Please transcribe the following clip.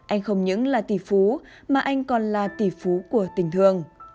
anh không những là tỷ phú mà anh còn là tỷ phú của tình thương